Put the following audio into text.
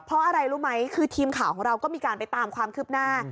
เพราะอะไรรู้ไหมคือทีมข่าวของเราก็มีการไปตามความคืบหน้า